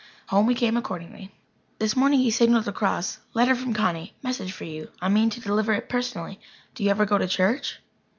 Home we came accordingly. This morning he signalled across: "Letter from Connie. Message for you. I mean to deliver it personally. Do you ever go to church?"